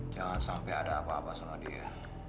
jangan sampai ada apa apa sama dia